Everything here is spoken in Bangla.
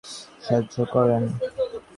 তিনি তাকে নতুন দল খুলতেও সাহায্য করেন।